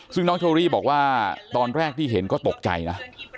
ซึ่งน้องเชอรี่บอกว่าตอนแรกที่เห็นก็ตกใจนะ